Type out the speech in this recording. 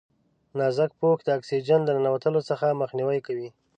نازک پوښ د اکسیجن د ننوتلو څخه مخنیوی کوي.